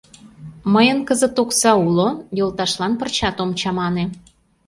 Мыйын кызыт окса уло, йолташлан пырчат ом чамане.